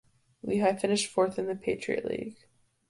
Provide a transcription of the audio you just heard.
Lehigh finished fourth in the Patriot League.